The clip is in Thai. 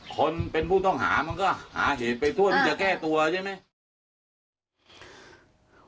คนเป็นผู้ต้องหามันก็หาเหตุไปทั่วมันจะแก้ตัวใช่ไหม